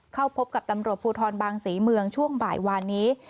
เข้าพบกับตำรวจภูทรบางศรีเมืองช่วงบ่ายวานนี้